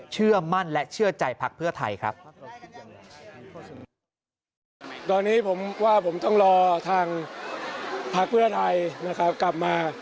เชื่อมั่นและเชื่อใจพักเพื่อไทยครับ